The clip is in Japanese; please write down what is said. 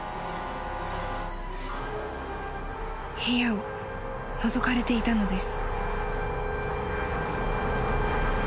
［部屋をのぞかれていたのです］